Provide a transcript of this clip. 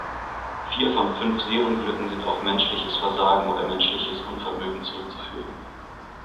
Vier von fünf Seeunglücken sind auf menschliches Versagen oder menschliches Unvermögen zurückzuführen.